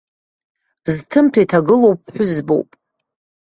Зҭәымҭа иҭагылоу ԥҳәызбоуп.